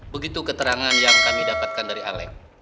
begitu keterangan yang kami dapatkan dari alec